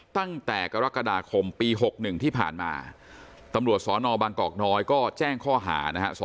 ตั้งแต่กรกฎาคมปี๖๑ที่ผ่านมาตำรวจสนบางกอกน้อยก็แจ้งข้อหานะฮะ